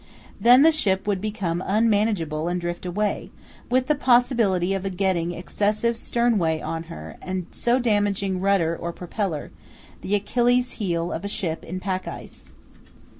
Then the ship would become unmanageable and drift away, with the possibility of getting excessive sternway on her and so damaging rudder or propeller, the Achilles' heel of a ship in pack ice.